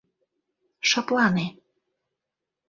Шыплане!..